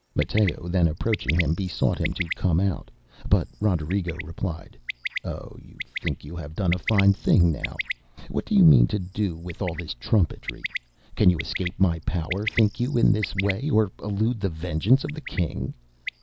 ŌĆØ Matteo then approaching him, besought him to come out; but Roderigo replied, ŌĆ£Oh, you think you have done a fine thing now! What do you mean to do with all this trumpery? Can you escape my power, think you, in this way, or elude the vengeance of the king?